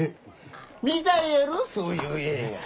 見たいやろそういう映画。